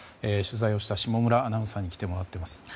取材をした下村アナウンサーに来てもらっています。